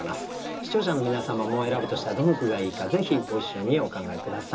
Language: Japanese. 視聴者の皆様も選ぶとしたらどの句がいいかぜひご一緒にお考え下さい。